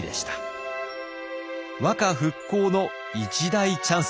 和歌復興の一大チャンス。